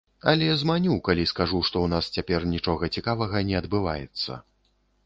Але зманю, калі скажу, што ў нас цяпер нічога цікавага не адбываецца.